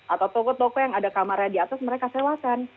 atau toko toko yang ada kamarnya di atas mereka sewakan